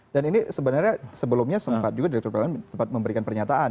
dan ini sebenarnya sebelumnya sempat juga direktur pelanggan sempat memberikan pernyataan